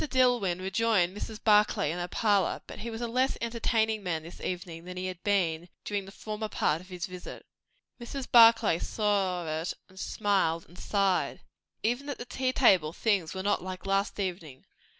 Dillwyn rejoined Mrs. Barclay in her parlour, but he was a less entertaining man this evening than he had been during the former part of his visit. Mrs. Barclay saw it, and smiled, and sighed. Even at the tea table things were not like last evening.